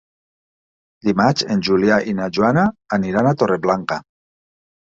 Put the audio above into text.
Dimarts en Julià i na Joana aniran a Torreblanca.